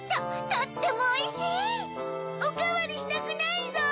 とってもおいしい！おかわりしたくないぞ！